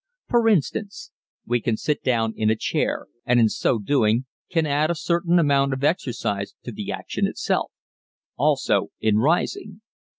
For instance, we can sit down in a chair and in so doing can add a certain amount of exercise to the action itself also in rising.